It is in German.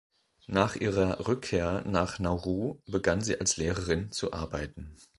Nach ihrer Rückkehr nach Nauru begann sie als Lehrerin zu arbeiten.